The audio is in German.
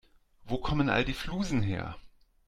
Wo kommen all die Flusen her?